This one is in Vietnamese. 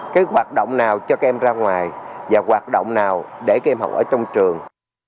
cái hoạt động nào cho các em ra ngoài và hoạt động nào để các em học ở trong trường